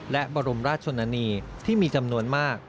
และบรมราชชนนานีที่มีจำนวนมาก